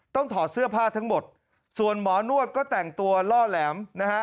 ถอดเสื้อผ้าทั้งหมดส่วนหมอนวดก็แต่งตัวล่อแหลมนะฮะ